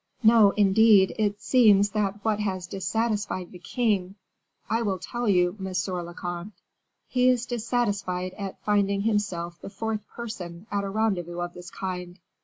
No, indeed, it seems that what has dissatisfied the king " "I will tell you, monsieur le comte, he is dissatisfied at finding himself the fourth person at a rendezvous of this kind.